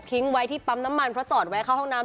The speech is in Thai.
ไว้ที่ปั๊มน้ำมันเพราะจอดไว้เข้าห้องน้ำ